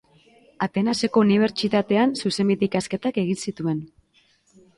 Atenaseko Unibertsitatean zuzenbide ikasketak egin zituen.